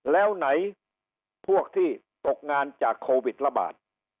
แล้วไหนพวกที่ตกงานจากโควิดระบาด